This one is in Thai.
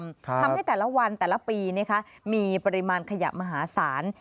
ทำให้แต่ละวันแต่ละปีนะคะมีปริมาณขยะมหาศาล